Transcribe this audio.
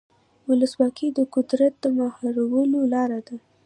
ولسواکي د قدرت د مهارولو لاره ده.